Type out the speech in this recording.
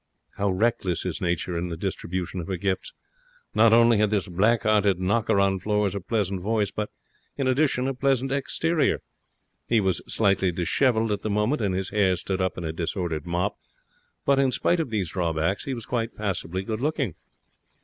How reckless is Nature in the distribution of her gifts! Not only had this black hearted knocker on floors a pleasant voice, but, in addition, a pleasing exterior. He was slightly dishevelled at the moment, and his hair stood up in a disordered mop; but in spite of these drawbacks, he was quite passably good looking.